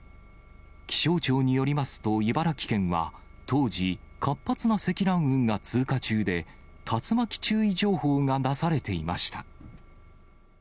気象庁によりますと、茨城県は当時、活発な積乱雲が通過中で、竜巻注意情報が出されていました。